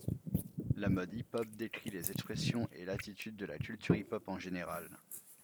La mode hip-hop décrit les expressions et l'attitude de la culture hip-hop en général.